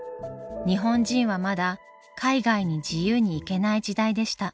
日本人はまだ海外に自由に行けない時代でした。